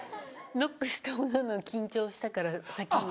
ノックしたものの緊張したからお先に。